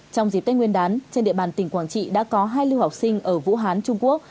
trong dịp tết nguyên đán trên địa bàn tỉnh quảng trị đã có hai lưu học sinh ở vũ hán trung quốc